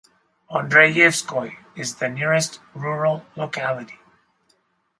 Andreyevskoye is the nearest rural locality.